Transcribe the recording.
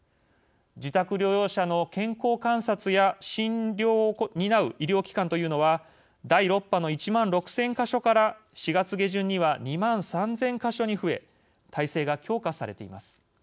自宅療養者の健康観察や診療を担う医療機関というのは第６波の１万６０００か所から４月下旬には２万３０００か所に増え体制が強化されています。